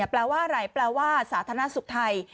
แปลว่าอะไรแปลว่าสาธารณสุขไทย